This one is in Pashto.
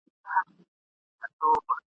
د ژلۍ په دود سرونه تویېدله !.